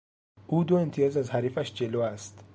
او دو امتیاز از حریفش جلو است.